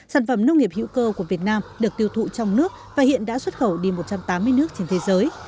sản phẩm nông nghiệp hữu cơ của việt nam được tiêu thụ trong nước và hiện đã xuất khẩu đi một trăm tám mươi nước trên thế giới